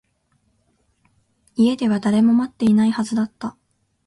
家では誰も待っていないはずだった